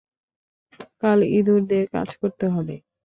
কাল ইঁদুরদের কাজ করতে হবে।